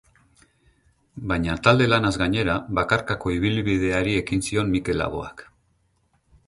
Baina talde lanaz gainera, bakarkako ibilbideari ekin zion Mikel Laboak